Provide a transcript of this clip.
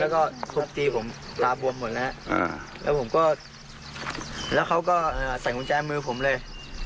แล้วก็ทุบตีผมตาบวมหมดแล้วแล้วผมก็แล้วเขาก็ใส่กุญแจมือผมเลย